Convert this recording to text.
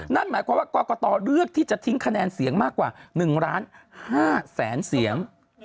นั่นหมายความว่ากรกตเลือกที่จะทิ้งคะแนนเสียงมากกว่า๑ล้าน๕แสนเสียง